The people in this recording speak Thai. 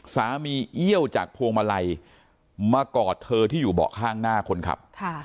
เอี้ยวจากพวงมาลัยมากอดเธอที่อยู่เบาะข้างหน้าคนขับ